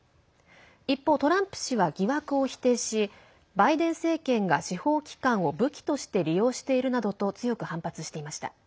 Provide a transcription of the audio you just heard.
一方、トランプ氏は疑惑を否定しバイデン政権が、司法機関を武器として利用しているなどと強く反発していました。